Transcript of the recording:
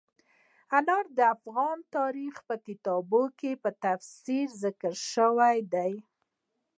انار د افغان تاریخ په کتابونو کې په تفصیل ذکر شوي دي.